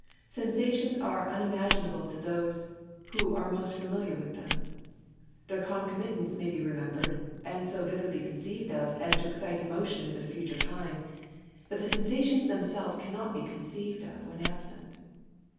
Sensations are* unimaginable to those ^ who are most familiar with them. Their concomi tants may be remembered, and so vividly con : ceived of, as to excite emotions at a future' time : but the sensations themselves cannot be conceived of when absent.